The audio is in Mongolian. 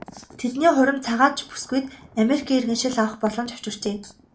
Тэдний хурим цагаач бүсгүйд Америкийн иргэншил авах боломж авчирчээ.